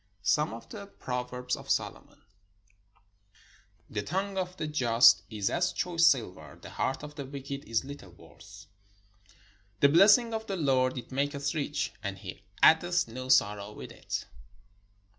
SOME OF THE PROVERBS OF SOLOMON The tongue of the just is as choice silver : the heart of the wicked is Httle worth. The blessing of the Lord, it maketh rich, and he add eth no sorrow with it.